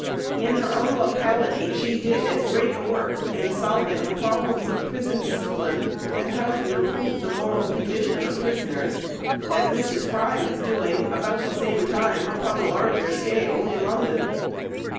In her own locality she did as great a work in solving the problems of prison discipline, and how to improve the moral condition of prisoners, as Mrs. Fry was doing about the same time upon a larger scale in London.